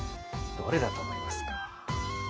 どれだと思いますか？